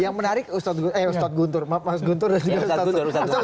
yang menarik ustadz guntur eh mas guntur dan juga ustadz guntur